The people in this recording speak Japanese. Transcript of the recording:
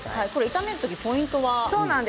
炒める時ポイントは？